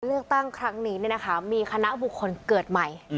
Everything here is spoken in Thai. เลือกตั้งครั้งนี้มีคณะบุคคลเกิดใหม่